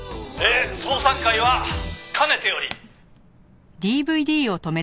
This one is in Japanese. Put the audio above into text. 「双三会はかねてより」